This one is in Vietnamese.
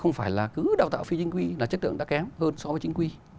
không phải là cứ đào tạo phi chính quy là chất lượng đã kém hơn so với chính quy